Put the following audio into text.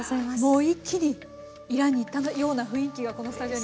もう一気にイランに行ったような雰囲気がこのスタジオに生まれました。